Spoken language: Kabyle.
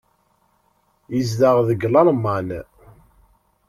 Yezdeɣ deg Lalman.